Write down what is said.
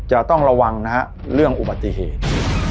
จะต้องระวังนะฮะเรื่องอุบัติเหตุ